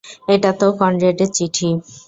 এটা তো কনরেডের চিঠি!